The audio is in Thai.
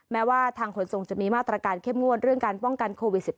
แม้ว่าทางขนส่งจะมีมาตรการเข้มงวดเรื่องการป้องกันโควิด๑๙